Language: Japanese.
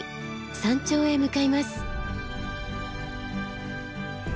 山頂へ向かいます。